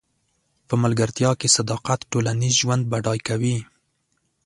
په ملګرتیا کې صداقت ټولنیز ژوند بډای کوي.